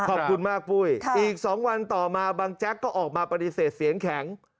ขอบคุณมากปุ้ยอีก๒วันต่อมาบางแจ๊กก็ออกมาปฏิเสธเสียงแข็ง